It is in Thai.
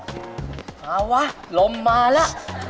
อะไรวะลมมาล่ะ